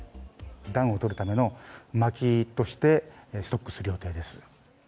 暖をとるための薪としてストックする予定です。